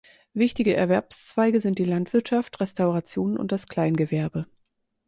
Wichtige Erwerbszweige sind die Landwirtschaft, Restaurationen und das Kleingewerbe.